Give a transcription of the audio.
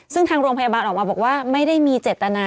ซึ่งทางโรงพยาบาลออกมาบอกว่าไม่ได้มีเจตนา